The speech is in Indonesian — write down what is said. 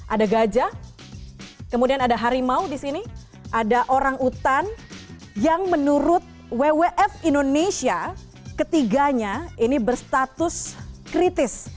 ada gajah kemudian ada harimau di sini ada orang utan yang menurut wwf indonesia ketiganya ini berstatus kritis